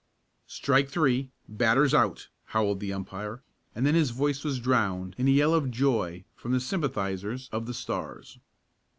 "Strike three batter's out!" howled the umpire, and then his voice was drowned in a yell of joy from the sympathizers of the Stars.